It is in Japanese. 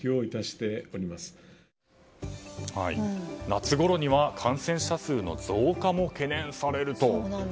夏ごろには感染者数の増加も懸念されると。